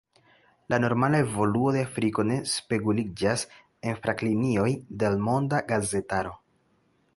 La normala evoluo de Afriko ne speguliĝas en fraplinioj de l’ monda gazetaro.